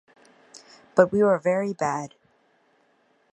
But we were very bad.